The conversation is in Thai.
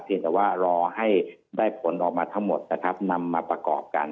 เพียงแต่ว่ารอให้ได้ผลออกมาทั้งหมดนำมาประกอบกัน